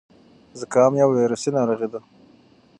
زکام یو ویروسي ناروغي ده.